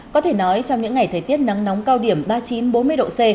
có thể nói trong những ngày thời tiết nắng nóng cao điểm ba mươi chín bốn mươi độ c